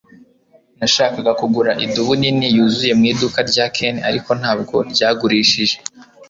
nashakaga kugura idubu nini yuzuye mu iduka rya ken, ariko ntabwo ryagurishijwe